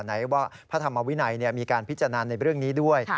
ไหนว่าพระธรรมวินัยมีการพิจารณาในเรื่องนี้ด้วย